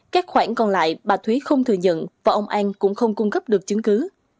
các khoản còn lại bà thúy không thừa nhận và ông an cũng không cung cấp được chứng cứ